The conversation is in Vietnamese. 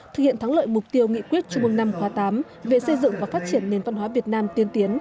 thực hiện thắng lợi mục tiêu nghị quyết chung mương năm khóa tám về xây dựng và phát triển nền văn hóa việt nam tiên tiến